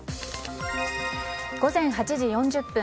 午前８時４０分。